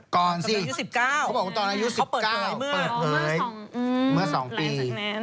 ก่อนสิเขาเปิดเมื่อเมื่อเมื่อสองปีเขาบอกว่าตอนอายุ๑๙